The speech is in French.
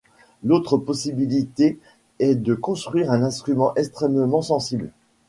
L'autre possibilité est de construire un instrument extrêmement sensible.